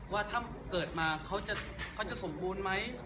ว่าถ้าเกิดมาเขาจะสมบูรณ์ไหม